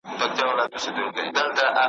چي هر نوی کفن کښ وي موږ لاس پورته په ښرا یو .